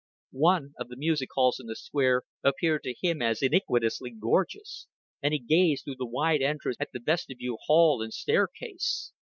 One of the music halls in the Square appeared to him as iniquitously gorgeous, and he gazed through the wide entrance at the vestibule hall, and staircase.